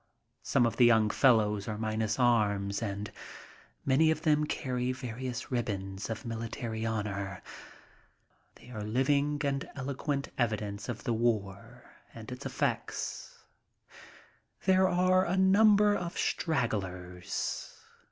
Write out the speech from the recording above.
Some of the young fellows are minus arms and many of them carry various ribbons of military honor. They are living and eloquent evidence of the war and its effects. There are a number of stragglers.